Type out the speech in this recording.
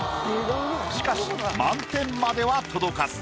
しかし満点までは届かず。